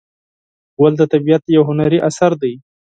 ګل د طبیعت یو هنري اثر دی.